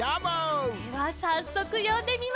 ではさっそくよんでみましょう！